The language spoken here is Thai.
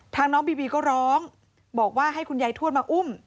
น้องบีบีก็ร้องบอกว่าให้คุณยายทวดมาอุ้ม